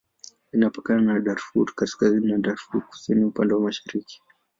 Inapakana na Darfur Kaskazini na Darfur Kusini upande wa mashariki.